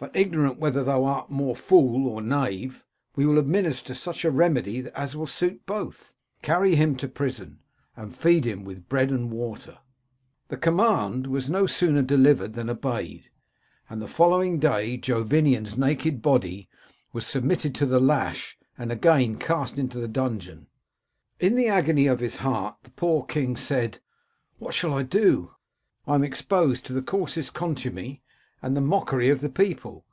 But, ignorant whether thou art more fool or knave, we will administer such a remedy as will suit both. Carry him to prison, and feed him with bread and water.' The command was no sooner delivered than obeyed ; and the following day Jovinian's naked body was submitted to the lash, and again cast into the dungeon. In the agony of his heart, the poor king said, * What shall I do ? I am exposed to the coarsest contumely, and the mockery of the people.